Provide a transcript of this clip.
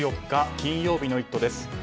金曜日の「イット！」です。